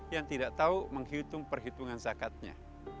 yang tidak tahu menghitung perhitungan zakatnya